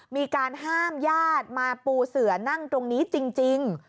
มีการห้ามญาติมาปูเสือนั่งตรงนี้จริง